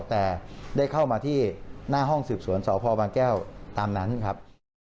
แต่ได้เข้ามาที่หน้าห้องสืบสวนสพบางแก้วตามนั้นครับ